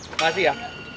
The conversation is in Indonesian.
terima kasih ya